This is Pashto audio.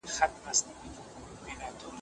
هغوی ګرم او سړه لیدلي دي.